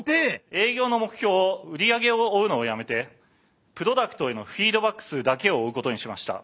営業の目標を売り上げを追うのを止めてプロダクトへのフィードバック数だけを追うことにしました。